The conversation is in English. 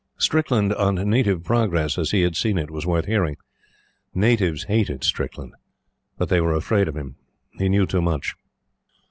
Strickland on Native Progress as he had seen it was worth hearing. Natives hated Strickland; but they were afraid of him. He knew too much.